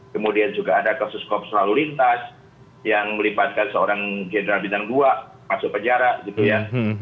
kemudian juga ada kasus kasus selalu lintas yang melipatkan seorang general bidang dua masuk penjara gitu ya